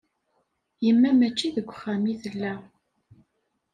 Yemma mačči deg uxxam i tella.